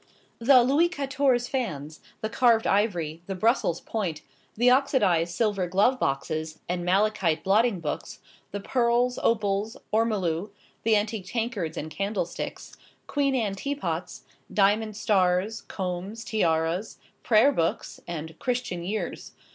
The Louis Quatorze fans, the carved ivory, the Brussels point, the oxydised silver glove boxes, and malachite blotting books, the pearls, opals, ormolu; the antique tankards and candlesticks, Queen Anne teapots; diamond stars, combs, tiaras; prayer books, and "Christian Years."